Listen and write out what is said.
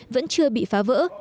vẫn chưa bị phá vỡ